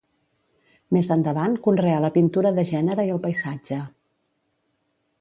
Més endavant conreà la pintura de gènere i el paisatge.